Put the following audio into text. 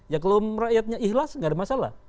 ya kalau rakyatnya ikhlas nggak ada masalah